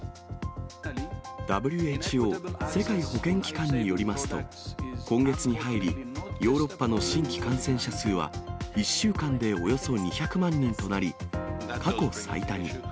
ＷＨＯ・世界保健機関によりますと、今月に入り、ヨーロッパの新規感染者数は１週間でおよそ２００万人となり、過去最多に。